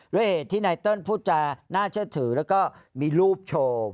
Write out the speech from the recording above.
ด้วยเหตุที่นายเติ้ลพูดจะน่าเชื่อถือแล้วก็มีรูปโชว์